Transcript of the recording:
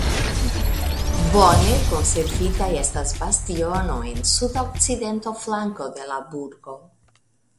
Bone konservita estas bastiono en sudokcidenta flanko de la burgo.